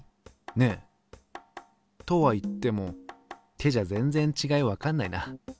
ねっ？とは言っても手じゃ全然ちがいわかんないな。